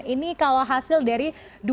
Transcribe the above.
ini kalau hasil dari dua ribu lima belas